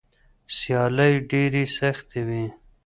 سیالۍ ډېرې سختې وي.